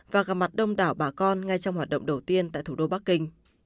và gặp mặt đông đảo bà con ngay trong hoạt động đầu tiên tại thủ đô bắc kinh